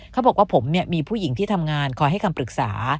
เขาบอกว่าผมเนี่ยมีผู้หญิงที่ทำงานขอให้การปรึกษา